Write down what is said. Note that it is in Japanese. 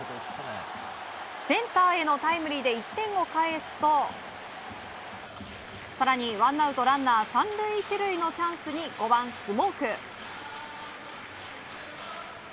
センターへのタイムリーで１点を返すと更に、ワンアウトランナー３塁１塁のチャンスに５番、スモーク。